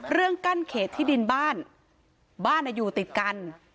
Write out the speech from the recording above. กั้นเขตที่ดินบ้านบ้านอยู่ติดกัน